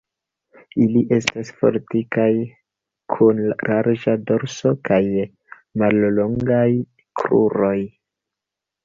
Ili estas fortikaj, kun larĝa dorso kaj mallongaj kruroj.